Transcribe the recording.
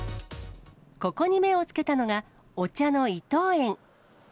ここに目をつけたのが、お茶の伊藤園。